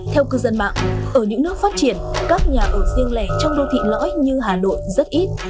theo cư dân mạng ở những nước phát triển các nhà ở riêng lẻ trong đô thị lõi như hà nội rất ít